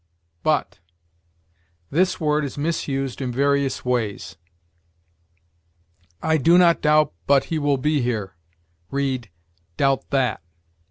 BUT. This word is misused in various ways. "I do not doubt but he will be here": read, doubt that.